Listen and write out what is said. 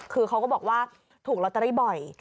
คือเขาก็บอกว่าถูกลอตเตอรี่บ่อย